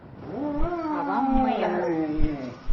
Авам мыйым